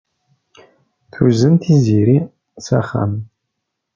Tuzen Tiziri s axxam.